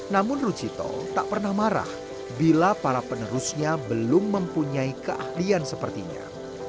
namun rujito tak pernah marah bila para penerusnya belum mempunyai keahlian sepertinya